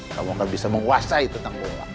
kamu akan bisa menguasai tentang gue